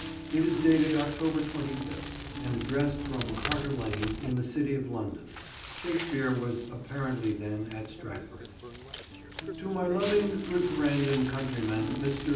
It is dated October 25th and addressed from Carter Lane, in the City of London. Shakespeare was apparently then at Stratford— "TO MY LOVEINGE GOOD FFRENDE AND CONTREYMANN MR.